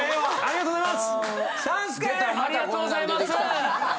ありがとうございます。